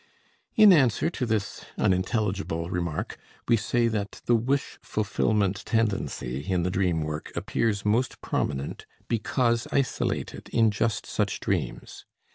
In answer to this unintelligible remark we say that the wish fulfillment tendency in the dream work appears most prominent, because isolated, in just such dreams.